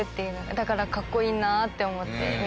だからかっこいいなって思って見てました。